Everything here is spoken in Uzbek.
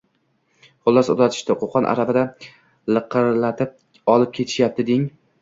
Xullas, uzatishdi. Qoʼqon aravada liqirlatib olib ketishyapti, deng!